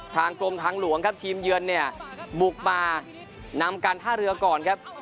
ทางกรมทางหลวงครับทีมเยือนเนี่ยบุกมานำการท่าเรือก่อนครับ